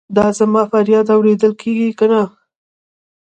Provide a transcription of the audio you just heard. دا زما فریاد اورېدل کیږي کنه؟